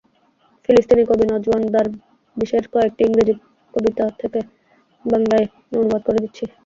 ফিলিস্তিনি কবি নজওয়ান দারবিশের কয়েকটি কবিতা ইংরেজি থেকে বাংলায় অনুবাদ করে দিচ্ছি।